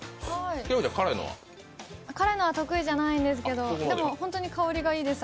辛いのは得意じゃないんですけど本当に香りがいいです。